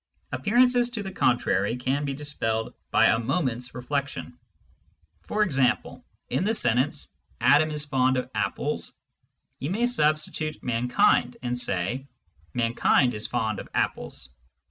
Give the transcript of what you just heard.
Appearances to the contrary can be dispelled by a moment's reflection. For example, in the sentence, " Adam is fond of apples," you may substitute mankind^ and say, " Mankind is fond of apples."